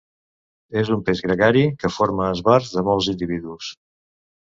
És un peix gregari que forma esbarts de molts individus.